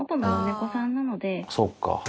そっか。